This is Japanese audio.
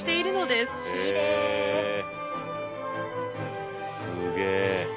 すげえ。